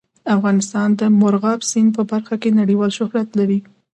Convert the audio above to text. افغانستان د مورغاب سیند په برخه کې نړیوال شهرت لري.